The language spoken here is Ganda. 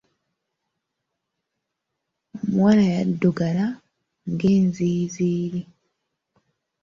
Omuwala yaddugala ng'enziiziiri.